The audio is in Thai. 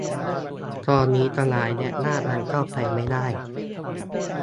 ตอนนี้ทนายและญาติยังเข้าไปไม่ได้